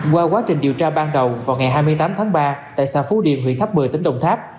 qua quá trình điều tra ban đầu vào ngày hai mươi tám tháng ba tại xã phú điền huyện tháp một mươi tỉnh đồng tháp